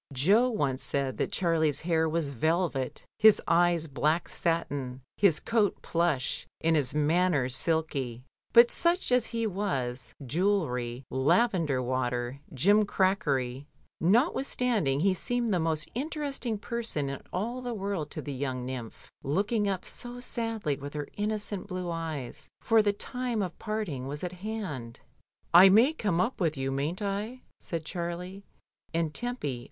Jo once said that Charlie's hair was velvet, his eyes black satin, his coat plush, and his manners silky; but such as he was, jewellery, lavender water, jimcrackery, notwith standing, he seemed the most interesting person in all the world to the young nymph looking up so sadly with her innocent blue eyes, for the time of parting was at hand. "I may come up with you, mayn't I?" said Charlie, and Tempy